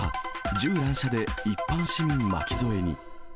銃乱射で一般市民巻き添えに。